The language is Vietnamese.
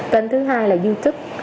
tên thứ hai là youtube